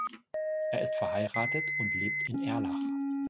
Er ist verheiratet und lebt in Erlach.